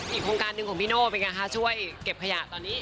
โครงการหนึ่งของพี่โน่เป็นไงคะช่วยเก็บขยะตอนนี้